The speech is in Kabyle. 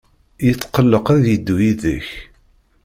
Yetqelleq ad yeddu yid-k.